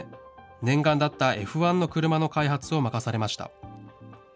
念願だったＦ１の車の開発を任されました。